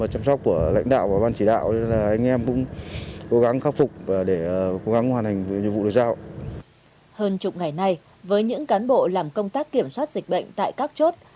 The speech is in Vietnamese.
hơn chục ngày nay với những cán bộ làm công tác kiểm soát dịch bệnh tại các chốt